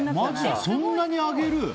そんなに上げる？